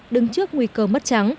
đứng trước nguy cơ mất